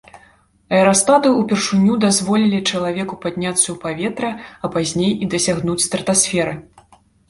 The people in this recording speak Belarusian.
Аэрастаты ўпершыню дазволілі чалавеку падняцца ў паветра, а пазней і дасягнуць стратасферы.